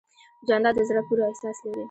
جانداد د زړه پوره احساس لري.